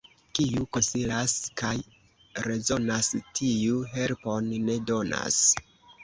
Kiu konsilas kaj rezonas, tiu helpon ne donas.